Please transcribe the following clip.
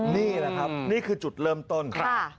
นี่แหละครับนี่คือจุดเริ่มต้น